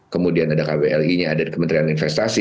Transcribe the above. kemudian ada kwli nya ada kementerian investasi